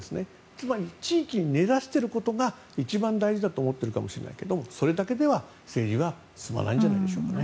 つまり地域に根差していることが一番大事だと思ってるんだけどそれだけでは政治は進まないんじゃないでしょうか。